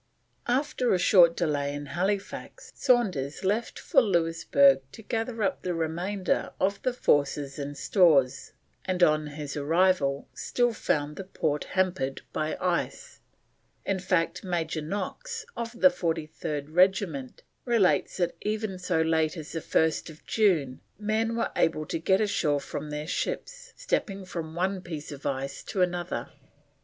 After a short delay in Halifax, Saunders left for Louisburg to gather up the remainder of the forces and stores, and on his arrival still found the port hampered by ice; in fact, Major Knox, of the 43rd Regiment, relates that even so late as 1st June men were able to get ashore from their ships, stepping from one piece of ice to another.